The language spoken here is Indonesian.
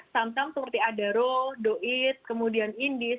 sumpah sumpah seperti adaro doit kemudian indies